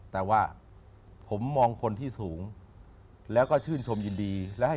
แต่ว่าผมมองคนที่สูงแล้วก็ชื่นชมยินดีและให้